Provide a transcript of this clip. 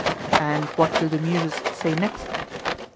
And what do the Muses say next?